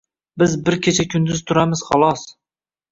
Biz bir kecha-kunduz turamiz xolos.